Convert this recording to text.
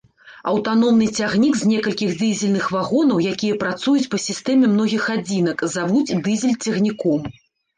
Аўтаномны цягнік з некалькіх дызельных вагонаў, якія працуюць па сістэме многіх адзінак, завуць дызель-цягніком.